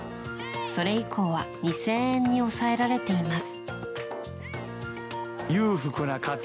それ以降は２０００円に抑えられています。